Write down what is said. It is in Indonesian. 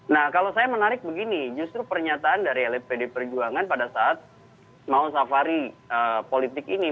nah kalau saya menarik begini justru pernyataan dari elit pd perjuangan pada saat mau safari politik ini